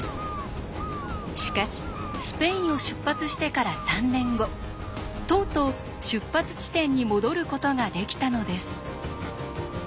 しかしスペインを出発してから３年後とうとう出発地点に戻ることができたのです。